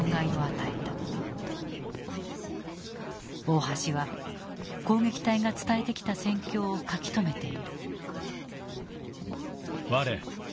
大橋は攻撃隊が伝えてきた戦況を書き留めている。